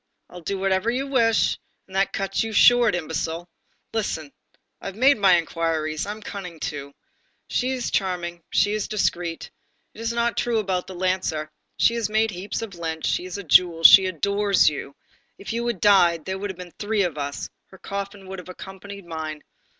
I'll do whatever you wish, and that cuts you short, imbecile! Listen. I have made my inquiries, I'm cunning too; she is charming, she is discreet, it is not true about the lancer, she has made heaps of lint, she's a jewel, she adores you, if you had died, there would have been three of us, her coffin would have accompanied mine.